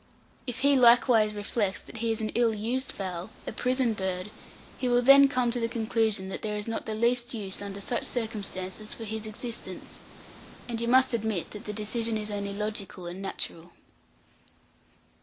If he likewise reflects that he is an ill used fowl a prison bird he will then come to the conclusion, that there is not the least use, under such circumstances, for his existence; and you must admit that the decision is only logical and natural.